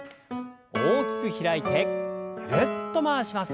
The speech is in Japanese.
大きく開いてぐるっと回します。